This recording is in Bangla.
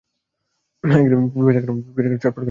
পিপাসার কারণে ছটফট করে মারা যেত।